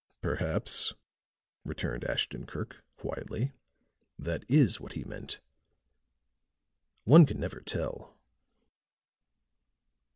"Perhaps," returned Ashton Kirk quietly, "that is what he meant. One can never tell.